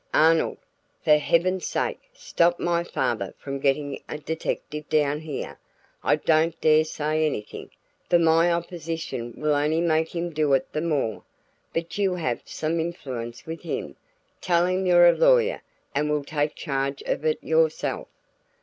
"Arnold, for heaven's sake, stop my father from getting a detective down here. I don't dare say anything, for my opposition will only make him do it the more. But you have some influence with him; tell him you're a lawyer, and will take charge of it yourself."